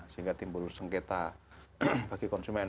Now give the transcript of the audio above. sehingga timbul sengketa bagi konsumen